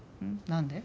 何で？